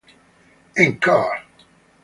Encore!